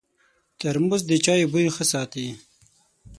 ترموز د چایو بوی ښه ساتي.